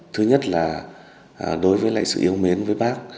thứ nhất là đối với lại sự yêu mến với bác